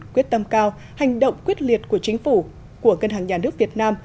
quyết tâm cao hành động quyết liệt của chính phủ của ngân hàng nhà nước việt nam